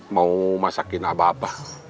mau masakin abah apa